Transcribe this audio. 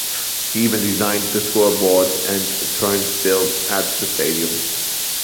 He even designed the scoreboard and turnstiles at the stadium.